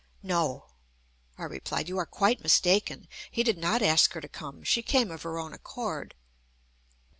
"No!" I replied, "you are quite mistaken. He did not ask her to come. She came of her own accord."